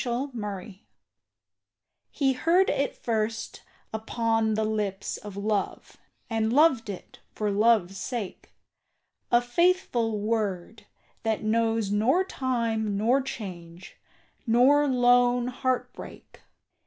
FOR EVER He heard it first upon the lips of love, And loved it for love's sake; A faithful word, that knows nor time nor change, Nor lone heart break.